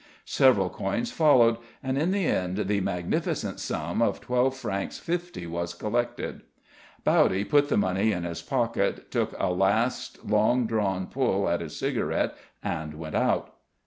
Several coins followed, and in the end the magnificent sum of twelve francs fifty was collected. Bowdy put the money in his pocket, took a last long drawn pull at his cigarette, and went outside.